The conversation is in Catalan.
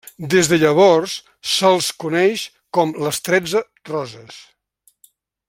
Des de llavors, se'ls coneix com les Tretze Roses.